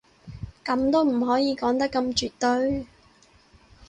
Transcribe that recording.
噉都唔可以講得咁絕對